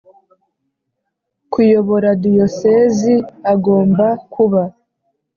kuyobora Diyosezi agomba kuba